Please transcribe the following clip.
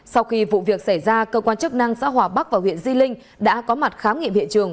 sau khi vụ việc xảy ra cơ quan chức năng xã hòa bắc và huyện di linh đã có mặt khám nghiệm hiện trường